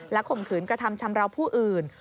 ข่มขืนกระทำชำราวผู้อื่น